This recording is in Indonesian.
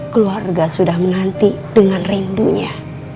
keluarga sudah menanti dengan rindunya